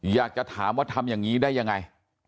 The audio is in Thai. อยากจะถามว่าทำอย่างนี้ได้ยังไง